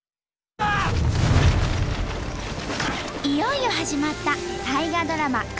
いよいよ始まった大河ドラマ